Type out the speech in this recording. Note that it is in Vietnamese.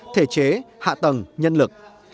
thể chế hạ tầng nhân lực